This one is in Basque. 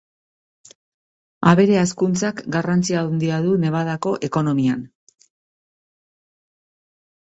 Abere hazkuntzak garrantzi handia du Nevadako ekonomian.